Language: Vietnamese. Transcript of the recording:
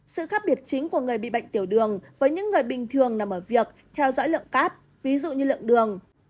sự khác biệt chính của người bị bệnh tiểu đường với những người bình thường nằm ở việc theo dõi lượng cát ví dụ như lượng đường